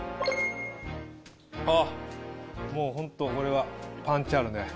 あっもうホントこれはパンチあるね。